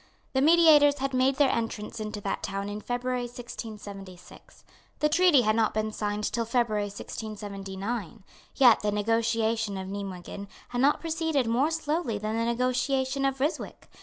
The mediators had made their entrance into that town in February 1676. The treaty had not been signed till February 1679. Yet the negotiation of Nimeguen had not proceeded more slowly than the negotiation of Ryswick.